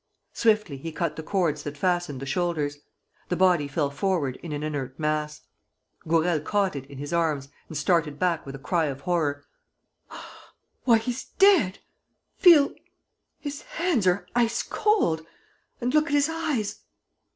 Swiftly he cut the cords that fastened the shoulders. The body fell forward in an inert mass. Gourel caught it in his arms and started back with a cry of horror: "Why, he's dead! Feel ... his hands are ice cold! And look at his eyes!"